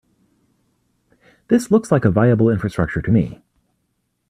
This looks like a viable infrastructure to me.